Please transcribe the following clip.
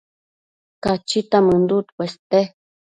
Cachita mënduc cueste